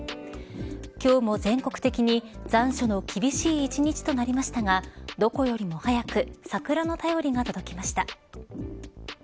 今日も全国的に残暑の厳しい１日となりましたがどこよりも早く桜の便りが届きました。